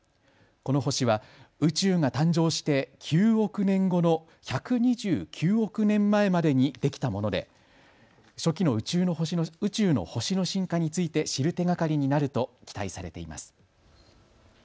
この星は宇宙が誕生して９億年後の１２９億年前までにできたもので初期の宇宙の星の進化について知る手がかりになると期待されています。